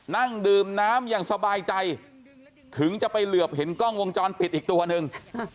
นั่งดื่มน้ำอย่างสบายใจถึงจะไปเหลือบเห็นกล้องวงจรปิดอีกตัวหนึ่ง